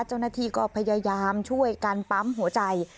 เจ้าหน้าที่ก็พยายามช่วยกันปั๊มหัวใจ